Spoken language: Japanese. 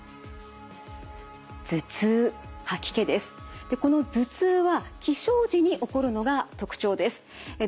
この頭痛は起床時に起こるのが特徴です。